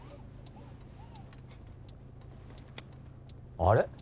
あれ？